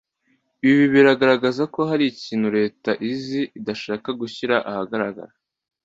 Ibi biragaragaza ko hari ikintu leta izi idashaka gushyira ahagaragara